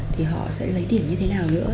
thì họ sẽ lấy điểm như thế nào nữa